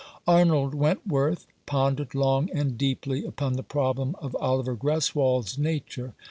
Arnold Wentworth pondered long and deeply upon the problem of Oliver Greswold's nature.